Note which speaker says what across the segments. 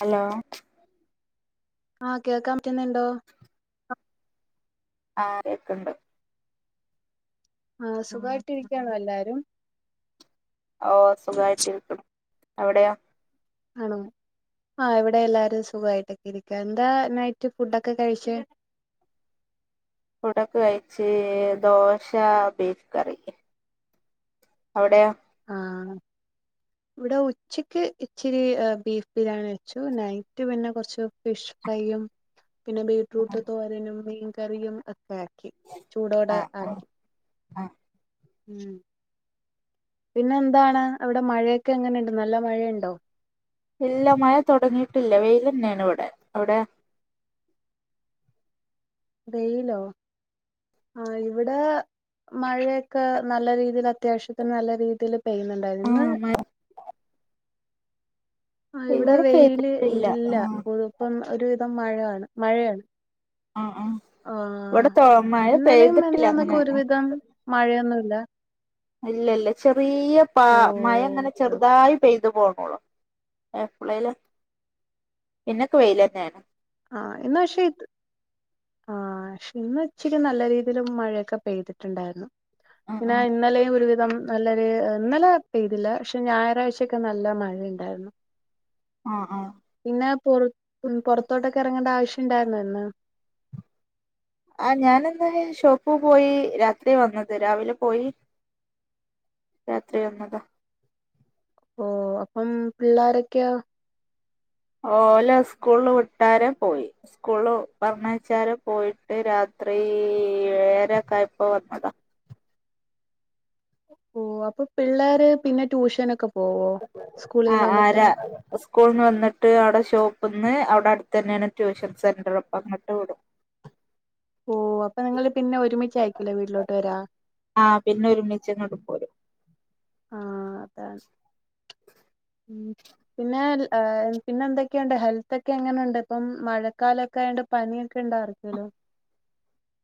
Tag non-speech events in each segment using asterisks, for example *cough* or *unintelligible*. Speaker 1: Hello
Speaker 2: ആഹ് കേക്കാൻ പറ്റുന്നുണ്ടോ?
Speaker 1: ആഹ് കേക്ക്ണ്ട്
Speaker 2: ആഹ് സുഖയിട്ടിരിക്കാണോ എല്ലാരും?
Speaker 1: ഓ സുഖായിട്ടിരിക്കുണു അവിടെയോ?
Speaker 2: ആണോ ആഹ് ഇവിടെ എല്ലാരും സുഖായിട്ടൊക്കെ ഇരിക്ക എന്താ നൈറ്റ് ഫുഡൊക്കെ കഴിച്ചേ?
Speaker 1: ഫുഡോക്കെ കഴിച്ച് ദോശ, ബീഫ് കറി അവിടെയോ?
Speaker 2: ആഹ് ഇവിടെ ഉച്ചയ്ക്ക് ഇച്ചിരി ബീഫ് ബിരിയാണി വെച്ചു നൈറ്റ് പിന്നെ കൊർച്ച് ഫിഷ് ഫ്രൈയും പിന്നെ ബീട്ട്റൂട്ട് തോരനും, മീൻകറിയും ഒക്കെ ‌ക്കി ചൂടോടെ
Speaker 1: ആഹ് ആഹ്
Speaker 2: ആക്കി
Speaker 1: ആഹ്
Speaker 2: മ് പിന്നെ എന്താണ് അവിടെ മഴയൊക്കെ എങ്ങനെണ്ട് നല്ല മഴയുണ്ടോ?
Speaker 1: ഇല്ല മഴ തോടങ്ങിട്ടില്ല വെയിലെന്നെണ് ഇവടെ അവിടെ?
Speaker 2: വെയ്ലോ? ആഹ് ഇവിടെ മഴയൊക്കെ നല്ല രീതീല് അത്യാവശ്യത്തിന് നല്ല രീതീല് പെയ്യുന്നുണ്ടായിര്ന്ന് ഇന്ന്
Speaker 1: ആഹ് മഴ
Speaker 2: ആഹ് ഇവിടെ വെയില്
Speaker 1: പെയ്തിട്ടില്ല
Speaker 2: ഇല്ല
Speaker 1: ആഹ്
Speaker 2: പെതു ഇപ്പം ഒരുവിധം മഴയാണ് മഴയാണ്
Speaker 1: ആഹ് ആഹ്
Speaker 2: ആഹ്
Speaker 1: ഇവിടെ തൊ മഴ
Speaker 2: ഇന്നലേം
Speaker 1: പെയ്തിട്ടില്ല
Speaker 2: മിനിഞ്ഞാന്നൊക്കെ
Speaker 1: അങ്ങനെ
Speaker 2: ഒരു വിധം മഴയൊന്നുല്ല
Speaker 1: ഇല്ല ഇല്ല ചെറിയ പാ
Speaker 2: ഓ
Speaker 1: മഴ അങ്ങനെ
Speaker 2: ഓക്കെ ഓക്കെ
Speaker 1: ചെറുതായി പെയ്തു പോണോള്ളൂ എപ്പളെലും പിന്നക്കെ വെയിലന്നാണ്
Speaker 2: ആഹ് ഇന്ന് പക്ഷെ ഇത് ആഹ് പക്ഷെ ഇന്ന് ഉച്ചക്ക് നല്ല രീതിൽ മഴയൊക്കെ പെയ്ത് *unintelligible*
Speaker 1: ആഹ്
Speaker 2: പിന്നെ ഇന്നലെയും ഒരുവിധം നല്ലൊരു ഇന്നലെ പെയ്തില്ല പക്ഷെ ഞായറാഴ്ചയൊക്കെ നല്ല മഴ ഉണ്ടായിരുന്നു
Speaker 1: ആഹ് ആഹ്
Speaker 2: പിന്നെ പുറ പുറത്തോട്ടൊക്കെ ഇറങ്ങണ്ട ആവശ്യം ഇണ്ടായിരുന്നോ ഇന്ന്
Speaker 1: ആഹ് ഞാനിന്ന് ഷോപ്പൂ പോയി രാത്രി വന്നത് രാവിലെ പോയി രാത്രി വന്നതാ
Speaker 2: ഓ അപ്പം പിള്ളോരൊക്കെയോ
Speaker 1: ഓല സ്കൂളില് വിട്ടാരെ പോയി സ്കൂള് പറഞ്ഞ വച്ചാല് പോയിട്ട് രാത്രി ഏഴരൊക്കെആയപ്പോ വന്നതാ
Speaker 2: ഓ അപ്പൊ പിള്ളേർ പിന്നെ ട്യൂഷനക്കെ
Speaker 1: ആഹ് ആരാ സ്കൂൾന്ന് വന്നിട്ട് അവിടെ ഷോപ്പിൽ നിന്ന് അവിടെ അടുത്ത് തന്നെയാണ് ട്യൂഷൻ സെന്റർ അപ്പം അങ്ങട്ട് വിടും
Speaker 2: ഓഹ് അപ്പൊ നിങ്ങള് പിന്നെ ഒരുമിച്ചയിരിക്കുംല്ലേ വീട്ടിലോട്ട് വരാ
Speaker 1: ആഹ് പിന്നെ ഒരുമിച്ച് ഇങ്ങോട്ട് പോരും
Speaker 2: ആഹ് അതാണ് *inaudible* പിന്നെ ഏഹ് പിന്നെ എന്തൊക്കെയുണ്ട് ഹെൽത്തൊക്കെ എങ്ങനെണ്ട് ഇപ്പം മഴക്കാലൊക്കെ ആയതോണ്ട് പനിയൊക്കെ ഉണ്ടോ ആർക്കേലും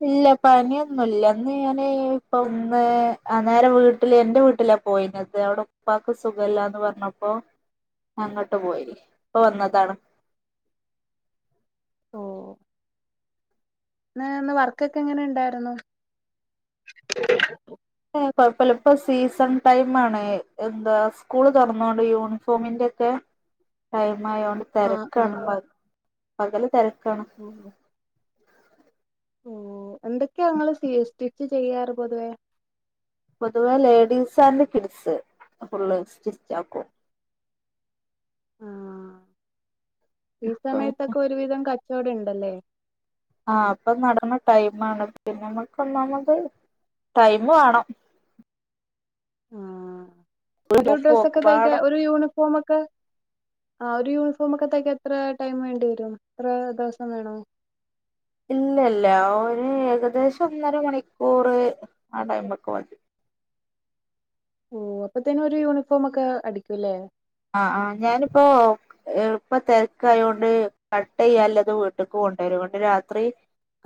Speaker 1: ഇല്ല പനിയൊന്നുംല്ലന്ന് ഞാന് ഇപ്പൊ ഒന്ന് നേരെ വീട്ടില് എന്റെ വീട്ടില് പോയിന്നത് അവിടെ ഉപ്പക്ക് സുഖല്ലാന്ന് പറഞ്ഞപ്പോ അങ്ങോട്ട് പോയി ഇപ്പ വന്നതാണ്
Speaker 2: ഓഹ് ന്ന് ന്ന് വർക്കൊക്കെ എങ്ങനെ ഇണ്ടായ്രുന്നു?
Speaker 1: കൊഴപ്പല്ലപ്പോ, സീസൺ ടൈം ആണ്. എന്താ, സ്കൂള് തൊറന്നോണ്ട് യൂണിഫോമിന്റെ ഒക്കെ ടൈം ആയോണ്ട്
Speaker 2: ആ ആ
Speaker 1: തെരക്കാണ് പ്പൊ പകല് തെരക്കാണ്.
Speaker 2: ഓ ഓ എന്തൊക്കെയാ ഇങ്ങള് സ്റ്റീ സ്റ്റിച്ച് ചെയ്യാറ് പൊതുവേ?
Speaker 1: പൊതുവേ ladies and kids full stitch ആക്കും.
Speaker 2: ആ ഈ സമയത്തൊക്കെ ഒരുവിധം കച്ചോടം ഉണ്ടല്ലേ?
Speaker 1: ആഹ് അപ്പൊ നടന്ന ടൈം ആണ്. പിന്നെ നമ്മുക്കൊന്നാമത് ടൈം വേണം.
Speaker 2: ആ ഒരു ഡ്രസ്സ് ഒക്കെ
Speaker 1: പോക്കുപാട
Speaker 2: തയ്ക്കാൻ ഒരു യൂണിഫോമക്കെ ആഹ് ഒരു യൂണിഫോമക്കെ തയ്ക്കാൻ എത്ര ടൈം വേണ്ടിവരും? എത്ര ദിവസം വേണം?
Speaker 1: ഇല്ല ഇല്ല ഓന് ഏകദേശം ഒന്നര മണിക്കൂറ് ആ ടൈമൊക്കെ മതി.
Speaker 2: ഓ അപ്പത്തേന് ഒരു യൂണിഫോമൊക്കെ അടിക്കുംല്ലേ?
Speaker 1: ആഹ് ആ ഞാനിപ്പോ ഇപ്പൊ തെരക്കായോണ്ട് കട്ട് ചെയ്യല്ലത് വ്ട്ട്ക്ക് കൊണ്ടരും, ഇന്നട്ട് രാത്രി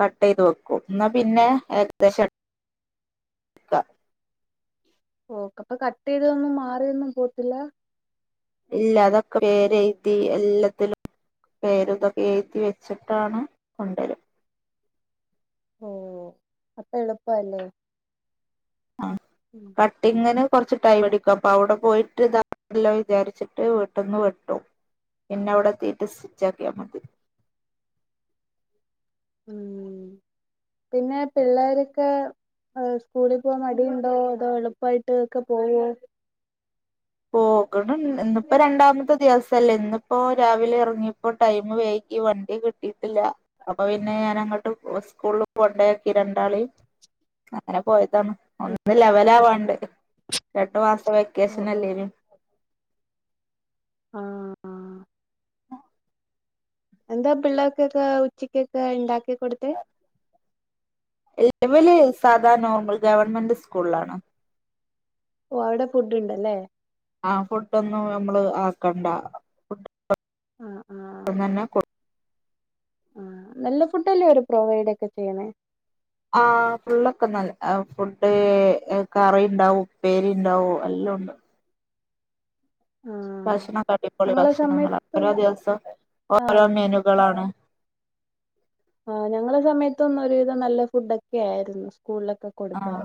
Speaker 1: കട്ടീത് വെക്കും ന്നാ പിന്നെ ഏകദേശം എടുക്ക
Speaker 2: ഓ അപ്പൊ കട്ട് ചെയ്തൊന്നും മാറിയൊന്നും പോവത്തില്ല?
Speaker 1: ഇല്ല അതൊക്കെ പേരെയ്തി എല്ലത്തിലും പേര് ഇതൊക്കെ എയ്തി വെച്ചിട്ടാണ് കൊണ്ടരാ.
Speaker 2: ഓ അപ്പൊ എളുപ്പാല്ലേ.
Speaker 1: ആഹ് കട്ട് - ട്ടി ഇങ്ങനെ കൊറച്ച് ടൈം ഇട്ക്കും. അപ്പൊ അവടെ പോയിട്ട് ഇതാക്കണ്ടല്ലോ വിചാരിച്ചിട്ട് വ്ട്ട്ന്ന് വെട്ടും. പിന്നെ അവടെത്തീട്ട് സ്റ്റിച്ച് ആക്കിയാ മതി.
Speaker 2: ഉം പിന്നെ പിള്ളേരൊക്കെ സ്കൂളിൽ പോവാ മടി ഇണ്ടോ അതോ എളുപ്പായിട്ട് ഒക്കെ പോവോ?
Speaker 1: പോകണം ഇന്ന്പ്പൊ രണ്ടാമത്തെ ദിവസല്ലേ, ഇന്ന്പ്പൊ രാവിലെ ഇറങ്ങിയപ്പോ ടൈയ്മ് വെയ്കി ഈ വണ്ടി കിട്ടീട്ടില്ല അപ്പൊ പിന്നെ ഞാനഅങ്ങട്ട് സ്കൂള് കൊണ്ടാക്കി രണ്ടാളീം അങ്ങനെ പോയതാണ്, ഒന്ന് ലെവലാവാണ്ട് രണ്ട് മാസം
Speaker 2: ഓ
Speaker 1: വെക്കേഷൻ
Speaker 2: ഓ
Speaker 1: അല്ലേയ്ര്ന്ന് *inaudible*
Speaker 2: ആഹ്
Speaker 1: ആഹ്
Speaker 2: എന്താ പിള്ളാർക്കൊക്കെ ഉച്ചയ്ക്കൊക്ക ഇണ്ടാക്കി കൊടുത്തെ
Speaker 1: ല്ല ഇവല് സാധാ നോർമൽ ഗവൺമെന്റ് സ്കൂള് ആണ്
Speaker 2: ഓ അവടെ ഫുഡ്ണ്ടല്ലെ?
Speaker 1: ആഹ് ഫുഡോന്നും നമ്മള് ആക്കണ്ട
Speaker 2: ആഹ്
Speaker 1: ഇവ്ട്ന്നെന്നെ കൊട് -
Speaker 2: ആഹ നല്ല ഫുഡ്ല്ലേ അവര് പ്രൊവൈഡ് ഒക്കെ ചെയ്യ്ന്നെ
Speaker 1: ആഹ് ഫുള്ളൊക്കെ നല്ല ഫുഡ് കറിണ്ടാവും ഉപ്പേരിണ്ടാവും എല്ലോംണ്ട്
Speaker 2: ആഹ്
Speaker 1: ഭക്ഷണൊക്കെ അടിപൊളി
Speaker 2: ഞങ്ങളെ
Speaker 1: ഭക്ഷണങ്ങളാണ്
Speaker 2: സമയത്തും
Speaker 1: ഓരോ ദിവസം ഓരോ
Speaker 2: ആഹ്
Speaker 1: മെനുകളാണ്
Speaker 2: ആഹ് ഞങ്ങളെ സമയത്തൊന്നൊരു വിധം നല്ല ഫുഡ് ഒക്കെ ആയ്ര്ന്ന് സ്കൂളിലൊക്കെ കൊടുക്കാൻ
Speaker 1: ആഹ്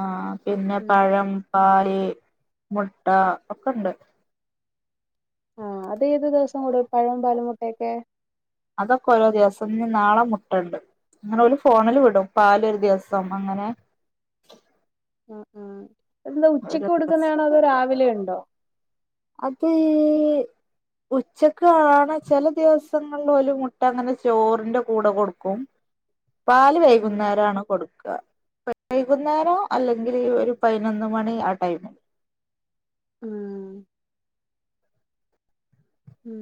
Speaker 1: ആഹ് പിന്നെ
Speaker 2: ഉം
Speaker 1: പഴം പല് മുട്ട ഒക്കണ്ട്
Speaker 2: ആഹ് അത് ഏത് ദിവസം കൊടും പഴോം പാലും മുട്ടയൊക്കെ
Speaker 1: അതൊക്കെ ഓരോ ദിവസം ഇഞ്ഞി നാളെ മുട്ടണ്ട് ഇങ്ങളെല് ഫോണില് വിടും പാലൊര് ദിവസം അങ്ങനെക്കെ
Speaker 2: ആഹ് ആ എന്താ
Speaker 1: ഓരോ
Speaker 2: ഉച്ചക്ക്
Speaker 1: ദിവസം
Speaker 2: കൊട്ക്ക്‌ന്നെണോ അതോ രാവിലെ ഇണ്ടോ
Speaker 1: അത് ഉച്ചക്കാണ് ചെല ദിവസങ്ങളില് ഓല് മുട്ട അങ്ങനെ ചോറിന്റെ കൂടെ കൊടുക്കും
Speaker 2: *unintelligible*
Speaker 1: പാല്
Speaker 2: ഉം
Speaker 1: വൈകുന്നേരാണ് കൊട്ക്കാ വൈകുന്നേരോ അല്ലെങ്കില് ഒര് പൈന്നൊന്ന് ന്ന് മണി ആ ടൈമ്
Speaker 2: ആഹ് ഉം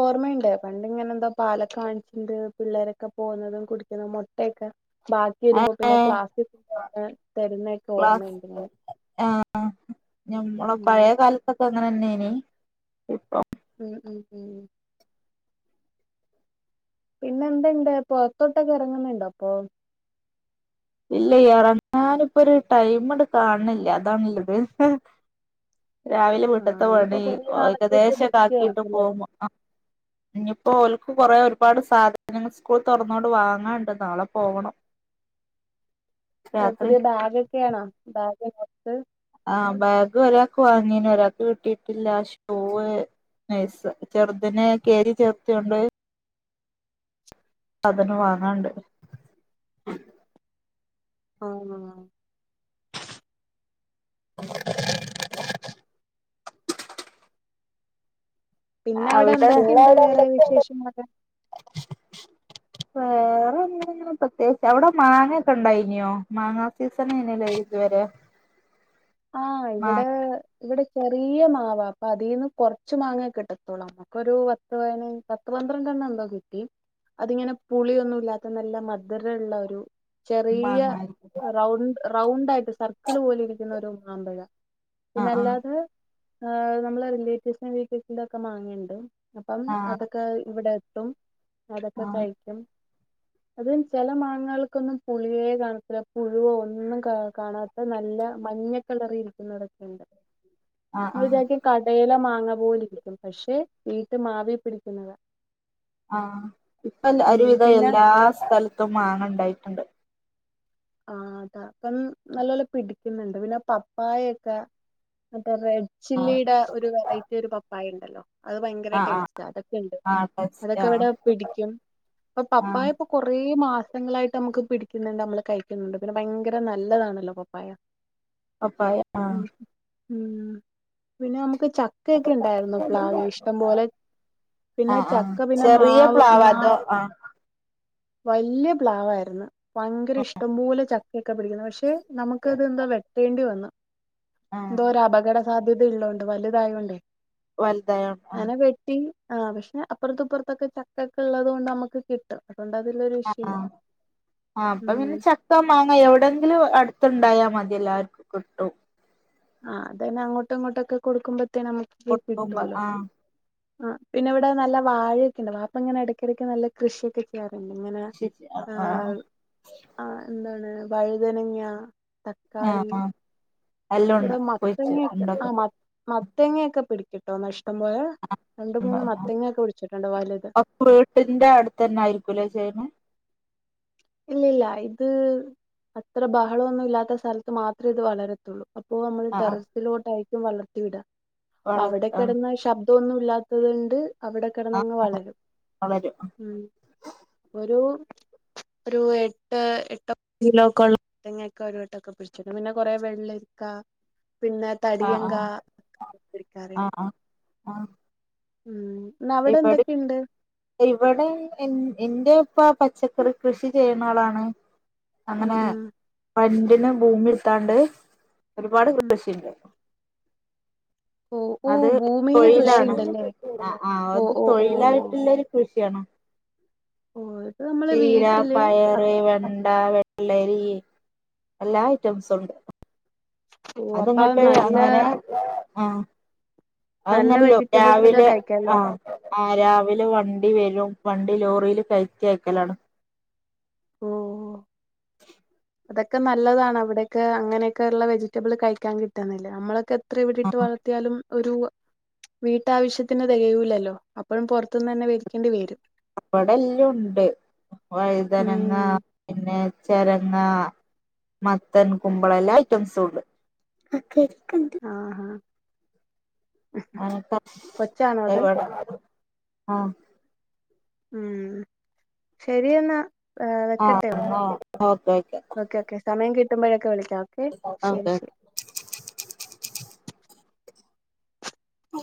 Speaker 2: ഓർമ്മയുണ്ട് പണ്ടിങ്ങനെ ന്തോ പാലൊക്കെ വാങ്ങിച്ചിണ്ട് പിള്ളേരൊക്കെ പോകുന്നതും കുടിക്കുന്നതും മുട്ടയൊക്കെ ബാക്കി വരുമ്പോ പിന്നെ
Speaker 1: ഏഹ്
Speaker 2: ക്ലാസ്സിസ്ണ്ടായി തരുന്നൊക്കെ ഓർമ്മയുണ്ട്ങ്ങനെ
Speaker 1: ഞമ്മള പഴയ കാലത്തൊക്കെ അങ്ങനെ ന്നെയനി ഇപ്പ
Speaker 2: ഉം ഉം ഉം ഉം പിന്നെ എന്തുണ്ട് പൊറത്തോട്ടൊക്കെ ഇറങ്ങുന്നുണ്ടോപ്പൊ
Speaker 1: ഇല്ല ഇറങ്ങാനപ്പൊ ഒരു ടൈംണ് കാണണില്ലഅതാണുള്ളത് രാവിലെ വീട്ട്ത്തെ
Speaker 2: ആഹ് ഇനിയിപ്പോ
Speaker 1: പണി
Speaker 2: കൊറേ നാളത്തേക്ക്
Speaker 1: ഏകദേശംക്കെ
Speaker 2: ബിസി
Speaker 1: ആക്കിട്ട്
Speaker 2: ആയിരിക്കുംല്ലേ
Speaker 1: പോക്പോ ഇഞ്ഞിപ്പോ ഓൽക്ക് കൊറേ
Speaker 2: ആ
Speaker 1: ഒരുപാട് സാധനങ്ങൾ സ്കൂൾ തുറന്നുകോണ്ട് വാങ്ങാണ്ട് നാളെ പോവണം
Speaker 2: ഓ
Speaker 1: രാത്രി
Speaker 2: പുതിയ ബാഗ ഒക്കെയ ആണോ ബാഗ്ബുക്
Speaker 1: ആഹ ബാഗ് ഒരാൾക്ക് വാങ്ങീന ഒരാൾക്ക് കിട്ടിട്ടില്ല ഷൂവ് നൈസ് ചെറുതന് കേരി ചെർത്തിയോണ്ട് സാധന വാങ്ങാണ്ട്
Speaker 2: ആഹ ആഹാ
Speaker 1: *unintelligible*
Speaker 2: പിന്നെ അവിടെ എന്തൊക്കെയുണ്ട് വേറെ വിശേഷങ്ങളൊക്കെ
Speaker 1: വേറെ എന്ത ഇങ്ങനെ പ്രത്യേകിച്ച് അവിടെ മാങ്ങൊക്കെ ഉണ്ടായിനോ മാങ്ങാ സീസണെയിനല്ലേ ഇതുവരെ
Speaker 2: ആഹ്
Speaker 1: മാങ്ങ
Speaker 2: ഇവിടെ ഇവിടെ ചെറിയ മാവാ അപ്പൊ അതിന്ന് കൊറച്ച്മാങ്ങ കിട്ടത്തോള്ളു ഒരു പത്ത് പതിനഞ്ചു പത്ത് പന്ത്രണ്ട് എന്തോ കിട്ടി അതിങ്ങനെ പുളിയൊന്നുല്ലാത്ത നല്ല മധുരയള്ള ഒരു ചെറിയ
Speaker 1: വാങ്ങായിരിക്കുംല്ലേ
Speaker 2: റൗണ്ട് റൗണ്ട് ആായിട്ട് സർക്കിള് പോലെ ഇരിക്കുന്ന ഒരു മാമ്പഴ പിന്നെ
Speaker 1: ആഹ് ആഹ്
Speaker 2: അല്ലാതെ നമ്മളെ റിലേറ്റീവ്സിന്റെ വീട്ടീ സക്കെ മാങ്ങിയുണ്ട് അപ്പം
Speaker 1: ആഹ്
Speaker 2: അതൊക്കെ. ക്കെ ഇവിടെ എത്തും അതൊക്കെ കഴിക്കും. അത് ചില മാങ്ങങ്ങൾക്കൊന്നും പുളിയേ കാണത്തില്ല പുഴുവോ ഒന്നും കാണാ.. ഇ നല്ല മഞ്ഞ കളറി ഇരിക്കുന്നതൊക്കെുണ്ട്
Speaker 1: ആഹ് ആഹ്
Speaker 2: നമ്മൾ
Speaker 1: ആഹ്
Speaker 2: വിചരിക്കും കടയില മാങ്ങ പോലിരിക്കും പക്ഷെ വീട്ട് മാവി പിടിക്കുന്നത.
Speaker 1: ആഹ് ഇപ്പൊ
Speaker 2: ഉം
Speaker 1: ഒരുവിധ
Speaker 2: പിന്നെ
Speaker 1: എല്ലാ സ്ഥലത്തും മാങ്ങണ്ടായിട്ടുണ്ട്.
Speaker 2: ആഹ് അത അപ്പം നല്ലപല്ല പിടിക്കുന്നുണ്ട് പിന്നെ പപ്പായൊക്കെ മറ്റേറെഡ്..
Speaker 1: ആഹ്
Speaker 2: ചില്ലിയുടെ ഒരു വെറൈറ്റി ഒരു പപ്പായ ഉണ്ടല്ലോ. അത് ഭയങ്കര
Speaker 1: ആഹ് ആഹ്
Speaker 2: ടേസ്റ്റ് അതൊക്കെ ഉണ്ട്
Speaker 1: ആഹ് ടെസ്റ്റ് ആഹ്
Speaker 2: അതൊക്കെവിടെ പിടിക്കും അപ്പൊ
Speaker 1: ആഹ്
Speaker 2: പപ്പായപൊ.. കുറേ മാസങ്ങളായിട്ട് നമുക്ക് പിടിക്കുന്നുണ്ട് നമ്മള് കഴിക്കുന്നുണ്ട് പിന്നെ ഭയങ്കര നല്ലതാണല്ലോ പപ്പായ.
Speaker 1: പപ്പായ ആഹ്
Speaker 2: ഉം ഉം പിന്നെ നമുക്ക് ചക്കയ ഒക്കെ ഉണ്ടായിരുന്നു പ്ലവി ഇഷ്ടം പോലെ.. പിന്നെ
Speaker 1: ആഹ് ആഹ്
Speaker 2: ചക്ക പിന്നെ
Speaker 1: ചെറിയ
Speaker 2: മാവ്
Speaker 1: പ്ലാവ്
Speaker 2: മാ..
Speaker 1: അതോ ആഹ്
Speaker 2: വല്ല്യ പ്ലാവായിരുന്നു ഭയങ്കര ഇഷ്ട.. ട്ടം പോലെ ചക്.. കേക്കെ പിടിക്കുന്നത് പക്ഷെ നമുക്ക്ന്തോ വെട്ടേണ്ടി വന്ന
Speaker 1: ആഹ്
Speaker 2: എന്തോ ഒരു അപകട.. സാധ്യതയള്ളതൊണ്ട് വലുതായോണ്ടേ
Speaker 1: വലുതായോ ആഹ്
Speaker 2: അങ്ങനെ വെട്ടി.. ആഹ് പക്ഷെ അപ്പുറത്തപ്പുറത്തൊക്കെ ചക്കൊക്കെ ഉള്ളത് കൊണ്ട് നമ്മുക്ക് കിട്ടും. അതുകൊണ്ട് അതിലൊരു
Speaker 1: ആഹ്
Speaker 2: വിഷയല്ല
Speaker 1: ആഹ് ആഹ് അപ്പൊ
Speaker 2: ഉം.
Speaker 1: പിന്നെ ചക്ക മാങ്ങ എവിടെയെങ്കിലും അടുത്തുണ്ടായാൽ മതി എല്ലാവർക്കും കിട്ടും.
Speaker 2: ആഹ് അത പിന്നെ അങ്ങോട്ടും ഇങ്ങോട്ടൊക്കെ കൊടുക്കുമ്പോത്തേ നമുക്ക്
Speaker 1: കൊടുക്കുമ്പോ
Speaker 2: കിട്ടൂലോ.
Speaker 1: ആഹ്
Speaker 2: ആഹ് പിന്നെ ഇവിടെ നല്ലാ വാഴയൊക്കെ ഉണ്ട് വാപ്പ ഇങ്ങനെ ഇടയ്ക്കിടക്ക് നല്ല. കൃഷിയൊക്കെ ചെയ്യാറുണ്ട് ഇങ്ങനെ ആഹ്.. ആഹ് എന്താണ് വഴുതനങ്ങ തക്കാളി..
Speaker 1: ആഹ് എല്ലാം
Speaker 2: ഇവിടെ
Speaker 1: ഉണ്ട് കുഴിച്ച്
Speaker 2: മത്തങ്ങൊക്കെ ആമത്
Speaker 1: ഉണ്ടാക്കുന്നുണ്ട്
Speaker 2: മത്.. മത്തങ്ങൊക്കെ പിടിക്കിട്ടോ ഇഷ്ടം പോയാൽ രണ്ട മൂന്ന് മത്തങ്ങ ഒക്കെ പിടിച്ചിട്ടുണ്ടോ വലുത്.
Speaker 1: വീട്ടിന്റെ അടുത്തന്നെ ആയിരിക്കൂല്ലേ ചേരണേ?
Speaker 2: ഇല്ല ഇല്ല ഇത് അത്ര ബഹളമൊന്നും ഇല്ലാത്ത സ്ഥലത്ത് മാത്രമേ ഇത് വളരത്തുള്ളൂ. അപ്പൊ നമ്മൾ
Speaker 1: ആഹ്
Speaker 2: ടെറസിലോട്ടായിരിക്കും വളർത്തി വിട.
Speaker 1: വളർത്ത്
Speaker 2: അവിടെ
Speaker 1: ആഹ്
Speaker 2: കിടന്ന് ശബ്ദ ദ്ധമെന്നു ഇല്ലാത്തത് കൊണ്ട് അവിടെ
Speaker 1: ആഹ്
Speaker 2: കിടന്ന് വളരും.
Speaker 1: വളരും
Speaker 2: ഉം ഒരു ഒരു എട്ട് എട്ട് കിലോക്കെ മത്തങ്ങൊക്കെ ഒരുട്ടക്കെ പിടിച്ചിട്ട് പിന്നെ കൊറെേ വെള്ളരിക്കാ പിന്നെ
Speaker 1: ആഹ്
Speaker 2: തടിയൻ കാ
Speaker 1: ആഹ് ആഹ് ആഹ് ആഹ്
Speaker 2: ഉം അവിടെ
Speaker 1: ഇവിടെ
Speaker 2: എന്തൊക്കെണ്ട്?
Speaker 1: ഇവിടെ എന്റെ ഉപ്പ പച്ചക്കറി കൃഷി ചെയ്യുന്ന ആളാണ്.
Speaker 2: ഉം
Speaker 1: അങ്ങനെ
Speaker 2: ഉം
Speaker 1: പണ്ടിന് ഭൂമി എടുത്താണ്ട് ഒരുപാട്
Speaker 2: ഉം
Speaker 1: കൃഷിയുണ്ട്.
Speaker 2: ഓ ഓ
Speaker 1: അത്
Speaker 2: ഭൂമിയില്
Speaker 1: തൊഴിലാണ്
Speaker 2: കൃഷിയുണ്ടല്ലേ
Speaker 1: ആഹ് ആഹ്
Speaker 2: ഓ
Speaker 1: അത്
Speaker 2: ഓ ഓ ഓ
Speaker 1: തൊഴിലായിട്ടുള്ളരു കൃഷിയാണ്.
Speaker 2: ഓഹ്
Speaker 1: ചീര, പയറ്, വെണ്ട, വെള്ളരി, എല്ലാ ഐറ്റംസ് ഉണ്ട്.
Speaker 2: ഓ
Speaker 1: അത്
Speaker 2: അപ്പൊ
Speaker 1: അങ്ങോട്ട്
Speaker 2: നല്ല
Speaker 1: അങ്ങനെ ആഹ്
Speaker 2: നല്ല
Speaker 1: അതുന്നല്ലിയോ
Speaker 2: വെജിറ്റബിൾസ് ഒക്കെ
Speaker 1: രാവിലെ
Speaker 2: കഴിക്കാല്ലേ
Speaker 1: ആഹ് ആഹ് രാവിലെ വണ്ടി വരും. വണ്ടി ലോറില് കയറ്റി അയക്കലാണ്.
Speaker 2: ഓഹോ
Speaker 1: *inaudible*
Speaker 2: അതൊക്കെ നല്ലതാണ് അവിടെയൊക്കെ അങ്ങനെയൊക്കെ ഉള്ള വെജിറ്റബിൾ കഴിക്കാൻ കിട്ടുന്നില്ല നമ്മളൊക്കെ എത്ര എവിടെ ഇട്ട് വളർത്തിയാലും ഒരു വീട്ടാവശ്യത്തിന് തികയൂല്ലല്ലോ. അപ്പഴും പുറത്തുന്ന് തന്നെ വേടിക്കേണ്ടി വരും.
Speaker 1: പ്പം അവിടെല്ലാം ഉണ്ട്. വഴുതനങ്ങാ
Speaker 2: ഉം
Speaker 1: പിന്നെ ചിരങ്ങാ - - മത്തൻ, കുമ്പളം, എല്ലാ ഐറ്റംസും ഉണ്ട്.
Speaker 2: ആഹാ കൊച്ചാണോ
Speaker 1: *unintelligible*
Speaker 2: അത്
Speaker 1: ഇവടെ ആഹ്
Speaker 2: ഉം ശെരിയെന്നാ.
Speaker 1: ആഹ ആ ഓക്കെയൊക്കെ.
Speaker 2: ഓക്കെയൊക്കെ സമയം കിട്ടുമ്പഴൊക്കെ വിളിക്കാം ഓക്കെ
Speaker 1: ഓക്കെ
Speaker 2: ശരി ശരി.